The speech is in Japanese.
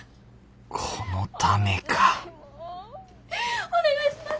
このためかお願いします。